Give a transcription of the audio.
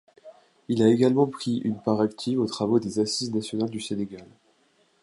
Il a également pris une part active aux travaux des Assises Nationales du Sénégal.